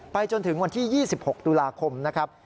จนถึงวันที่๒๖ตุลาคมนะครับ